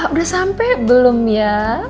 udah sampe belum ya